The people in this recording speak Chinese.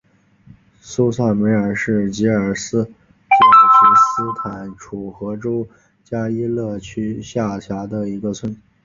苏萨梅尔是吉尔吉斯斯坦楚河州加依勒区下辖的一个村。